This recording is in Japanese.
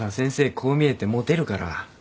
こう見えてモテるから。